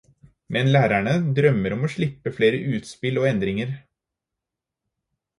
Men lærerne drømmer om å slippe flere utspill og endringer.